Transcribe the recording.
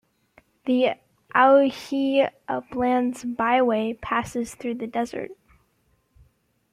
The Owyhee Uplands Byway passes through the desert.